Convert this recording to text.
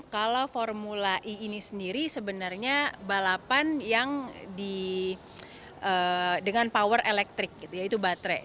kalau formula e ini sendiri sebenarnya balapan yang dengan power elektrik gitu yaitu baterai